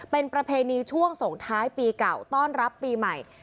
เป็นประเพณีช่วงส่งท้ายปีเก่าต้อนรับปีใหม่